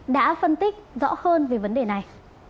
đã phân tích rõ hơn về vấn đề này